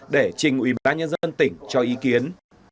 để trình ủy ban nhân dân tỉnh cho ý kiến